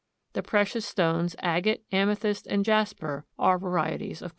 The precious stones, agate, amethyst, and jasper are varieties of quartz.